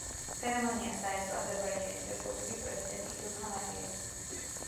ცერემონიას დაესწრო აზერბაიჯანის რესპუბლიკის პრეზიდენტი ილჰამ ალიევი.